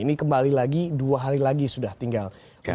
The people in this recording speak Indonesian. ini kembali lagi dua hari lagi sudah tinggal